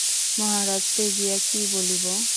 মহারাজকে গিয়া কি বলিব?